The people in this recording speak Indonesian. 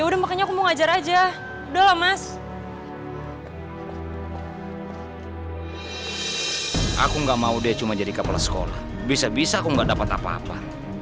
dan nyebar cerita kemana mana